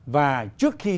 và trước khi